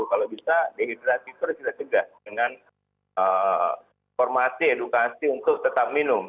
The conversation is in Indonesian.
kalau bisa dehidrasi itu harus kita cegah dengan formasi edukasi untuk tetap minum